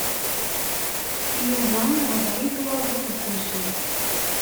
Yuba yeɣḍel-it waḍu deg wusu.